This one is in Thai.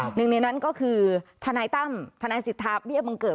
หนึ่งในนั้นก็คือทนายตั้มทนายสิทธาเบี้ยบังเกิด